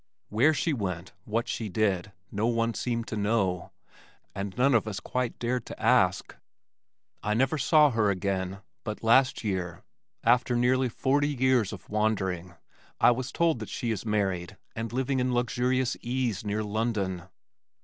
Where she went, what she did, no one seemed to know, and none of us quite dared to ask. I never saw her again but last year, after nearly forty years of wandering, I was told that she is married and living in luxurious ease near London.